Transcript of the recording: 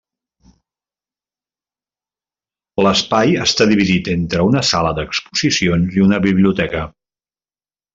L'espai està dividit entre una sala d'exposicions i una biblioteca.